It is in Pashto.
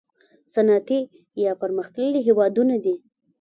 صنعتي یا پرمختللي هیوادونه دي.